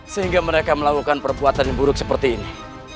sehingga mereka melakukan perbuatan yang buruk seperti ini